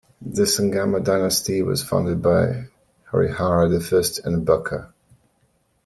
The Sangama Dynasty was founded by Harihara the First and Bukka.